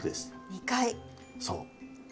そう。